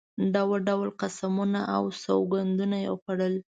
ډول ډول قسمونه او سوګندونه یې خوړل.